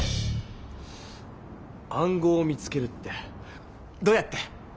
暗号を見つけるってどうやって？